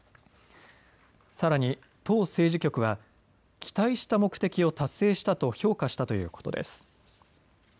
さらに党政治局は期待した目的を達成したと評価したということです。